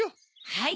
はい。